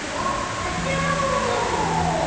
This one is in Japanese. はっちゃおう！